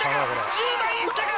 １０枚いったか？